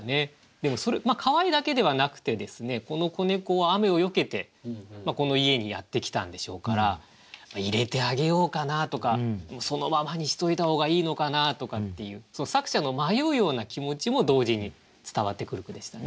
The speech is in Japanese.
でもかわいいだけではなくてこの子猫は雨をよけてこの家にやって来たんでしょうから入れてあげようかなとかそのままにしといた方がいいのかなとかっていう作者の迷うような気持ちも同時に伝わってくる句でしたね。